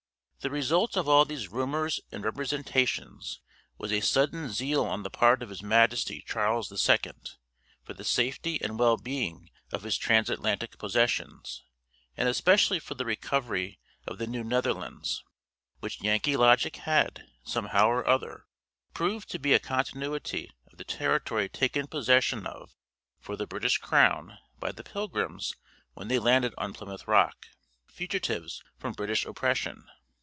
The result of all these rumors and representations was a sudden zeal on the part of his Majesty Charles the Second for the safety and well being of his transatlantic possessions, and especially for the recovery of the New Netherlands, which Yankee logic had, somehow or other, proved to be a continuity of the territory taken possession of for the British Crown by the pilgrims when they landed on Plymouth Rock, fugitives from British oppression.